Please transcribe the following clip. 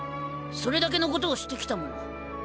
それだけのことをしてきたもの。